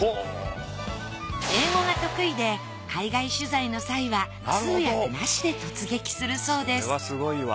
英語が得意で海外取材の際は通訳なしで突撃するそうです。